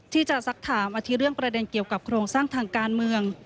สักถามอาทิตยเรื่องประเด็นเกี่ยวกับโครงสร้างทางการเมือง